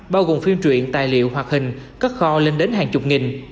bao gồm phim truyện tài liệu hoạt hình các kho lên đến hàng chục nghìn